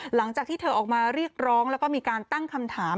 หลังจากที่เธอออกมาเรียกร้องแล้วก็มีการตั้งคำถาม